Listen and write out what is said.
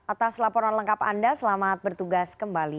atas laporan lengkap anda selamat bertugas kembali